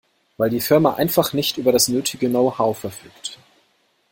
Weil die Firma einfach nicht über das nötige Know-how verfügt.